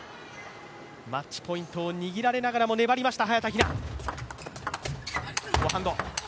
マッチポイントを握られながらも粘りました、早田ひな。